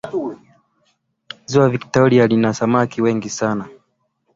ziwa vikitoria lina samaki wengi sana